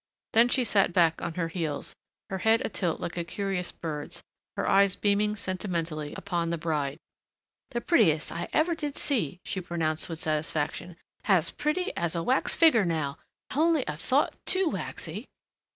Then she sat back on her heels, her head a tilt like a curious bird's, her eyes beaming sentimentally upon the bride. "The prettiest h'I h'ever did see," she pronounced with satisfaction, "H'as pretty as a wax figger now h'only a thought too waxy."